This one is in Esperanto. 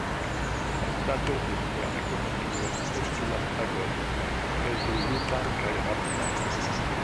La stato de nia ekonomio postulas agon, rezolutan kaj rapidan.